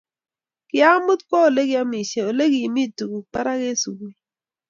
kiamut kwo ole kiamishe ole kimi tuguk barak eng sugul